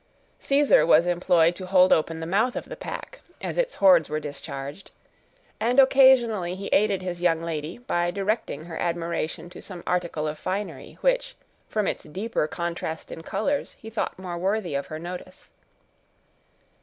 Caesar was employed to hold open the mouth of the pack, as its hoards were discharged, and occasionally he aided his young lady, by directing her admiration to some article of finery, which, from its deeper contrast in colors, he thought more worthy of her notice.